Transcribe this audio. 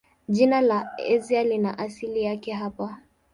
Jina la Asia lina asili yake hapa.